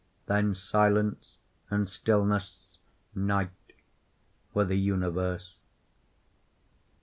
Then silence, and stillness, night were the universe.